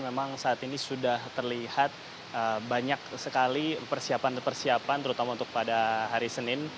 memang saat ini sudah terlihat banyak sekali persiapan persiapan terutama untuk pada hari senin